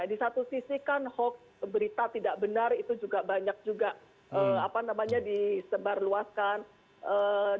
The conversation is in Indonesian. di satu sisi kan hoax berita tidak benar itu juga banyak juga disebarluaskan